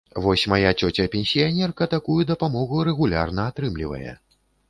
Вось, мая цёця-пенсіянерка такую дапамогу рэгулярна атрымлівае.